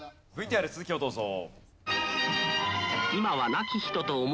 ＶＴＲ続きをどうぞ。